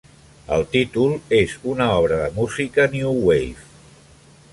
El títol és una obra de música new wave.